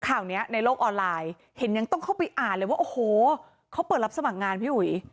ข่าวนี้ในโลกออนไลน์เห็นยังต้องเข้าไปอ่านเลยว่าโอ้โหเขาเปิดรับสมัครงานพี่อุ๋ย